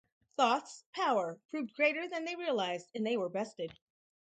Thoth's power proved greater than they realized and they were bested.